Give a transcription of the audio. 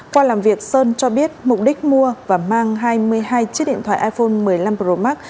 qua làm việc sơn cho biết mục đích mua và mang hai mươi hai chiếc điện thoại iphone một mươi năm pro max